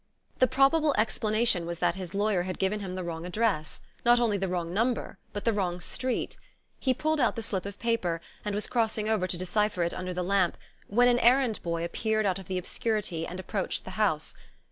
The probable explanation was that his lawyer had given him the wrong address; not only the wrong number but the wrong street. He pulled out the slip of paper, and was crossing over to decipher it under the lamp, when an errand boy appeared out of the obscurity, and approached the house.